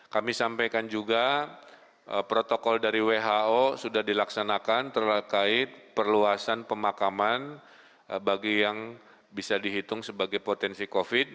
kami sampaikan juga protokol dari who sudah dilaksanakan terkait perluasan pemakaman bagi yang bisa dihitung sebagai potensi covid